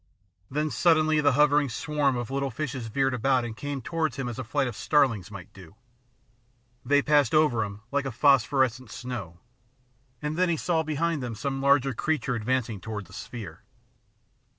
Then suddenly the hovering swarm of little fishes veered about and came towards him as a flight of starlings might do. They passed over him like a phosphorescent snow, and then he saw behind them some larger creature advancing towards the sphere.